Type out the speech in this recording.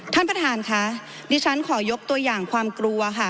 ท่านประธานค่ะดิฉันขอยกตัวอย่างความกลัวค่ะ